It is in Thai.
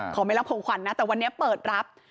ไม่รับของขวัญนะแต่วันนี้เปิดรับ